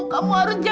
kamu harus percaya